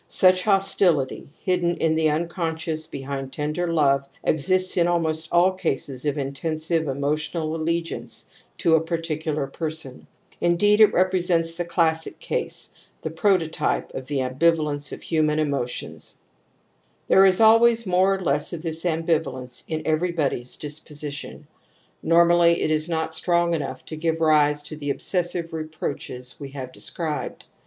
Such hostiUty, hidden in the unconscious behind tender love, exists in al most all cases of intensive emotional allegiance to a particular person, indeed it represents the . classic case, t|ie prototyp e ofthe a mbivalence of himian emotionsl^ Thereisalways more or less oTSSis ambivalence in everybody's disposition ;♦ THE AMBIVALENCE OF EMOTIONS 108 nonnally it is not strong enough to give rise to the obsessive reproaches we have described.